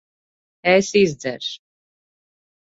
Es izdzeršu.